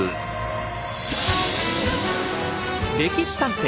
「歴史探偵」